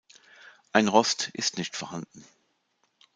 Ein Rost ist nicht vorhanden.